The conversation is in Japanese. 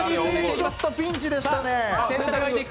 ちょっとピンチでしたね。